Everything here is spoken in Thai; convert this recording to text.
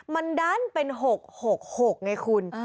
มันดันเป็น๖๖๖ไงคุณ